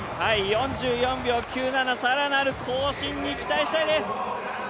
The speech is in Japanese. ４４秒９７、更なる更新に期待したいです。